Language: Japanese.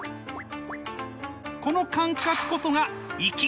この感覚こそがいき。